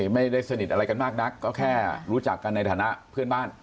ไม่ได้สนิทอะไรกันมากนักก็แค่รู้จักกันในฐานะเพื่อนบ้าน